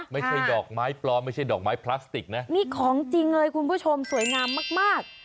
ไม่ใช่ดอกไม้ปลอมไม่ใช่ดอกไม้พลาสติกนะนี่ของจริงเลยคุณผู้ชมสวยงามมากมาก